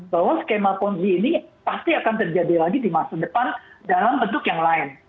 bahwa skema ponzi ini pasti akan terjadi lagi di masa depan dalam bentuk yang lain